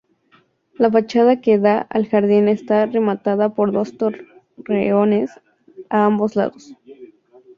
La fachada que da al jardín está rematada por dos torreones a ambos lados.